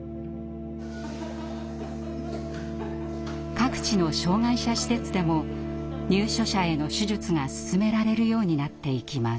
各地の障害者施設でも入所者への手術が勧められるようになっていきます。